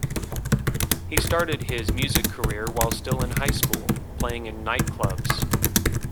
He started his music career, while still in high school, playing in night clubs.